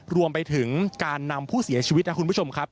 รวมไปถึงการนำผู้เสียชีวิตนะคุณผู้ชมครับ